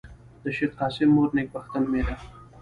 د شېخ قاسم مور نېکبخته نومېده.